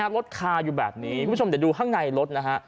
คาอยู่แบบนี้คุณผู้ชมเดี๋ยวดูข้างในรถนะฮะ